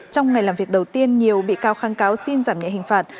trong ngày làm việc đầu tiên nhiều bị cáo kháng cáo xin giảm nhẹ hình phạt